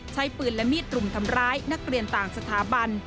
ใช้ปืนและมีดรุมทำร้ายนักเรียนต่างสถาบัน